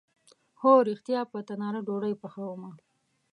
هو ریښتیا، په تناره ډوډۍ پخومه